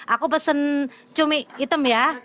aku pesen cumi hitam ya